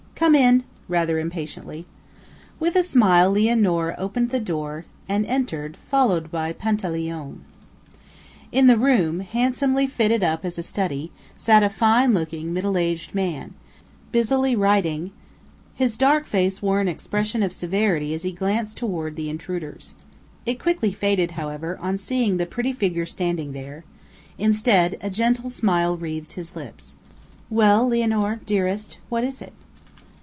"Come in!" rather impatiently. With a smile Lianor opened the door, and entered, followed by Pantaleone. In the room, handsomely fitted up as a study, sat a fine looking, middle aged man, busily wilting; his dark face wore an expression of severity as he glanced toward the intruders. It quickly faded, however, on seeing the pretty figure standing there; instead, a gentle smile wreathed his lips. "Well, Lianor, dearest, what is it?"